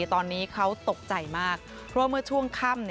ตอนนี้เขาตกใจมากเพราะว่าเมื่อช่วงค่ำ